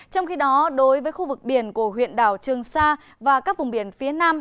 trong khi đó đối với khu vực biển của huyện đảo trường sa và các vùng biển phía nam